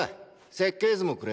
設計図もくれ。